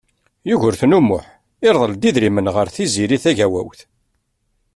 Yugurten U Muḥ irḍel-d idrimen ɣer Tiziri Tagawawt.